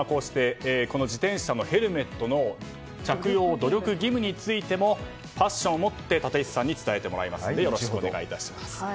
自転車のヘルメットの着用努力義務についてもパッションを持って立石さんに伝えてもらいますのでよろしくお願いいたします。